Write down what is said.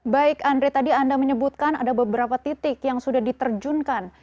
baik andri tadi anda menyebutkan ada beberapa titik yang sudah diterjunkan